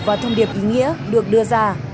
và thông điệp ý nghĩa được đưa ra